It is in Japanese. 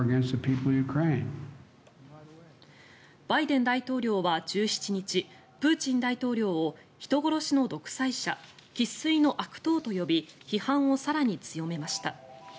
バイデン大統領は１７日プーチン大統領を人殺しの独裁者生粋の悪党と呼び批判を更に強めました。